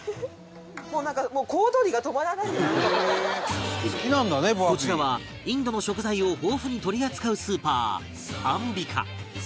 もうなんかこちらはインドの食材を豊富に取り扱うスーパーアンビカ